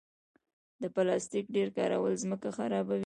د پلاستیک ډېر کارول ځمکه خرابوي.